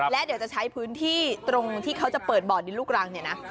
และเดี๋ยวจะใช้พื้นที่ตรงที่เขาจะเปิดบ่อดินลูกรังเนี่ยนะ